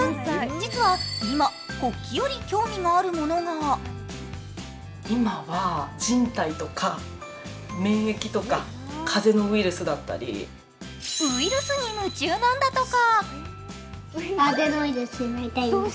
実は、今国旗より興味があるものがウイルスに夢中なんだとか。